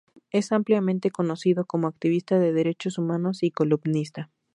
Es ampliamente conocido como activista de derechos humanos y columnista.